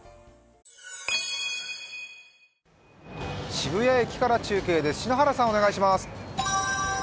渋谷駅から中継出です。